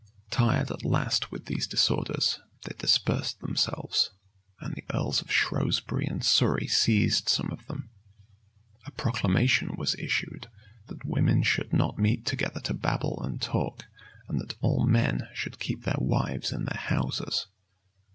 Tired at last with these disorders, they dispersed themselves; and the earls of Shrewsbury and Surrey seized some of them. A proclamation was issued, that women should not meet together to babble and talk, and that all men should keep their wives in their houses.